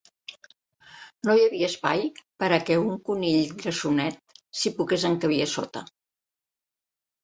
No hi havia espai per a què un conill grassonet s'hi pogués encabir a sota.